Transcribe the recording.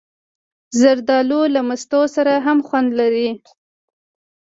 زردالو له مستو سره هم خوند لري.